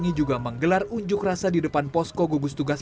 ini juga menggelar unjuk rasa di depan posko gugus tugas